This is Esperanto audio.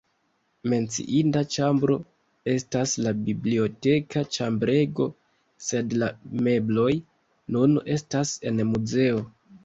Menciinda ĉambro estas la biblioteka ĉambrego, sed la mebloj nun estas en muzeo.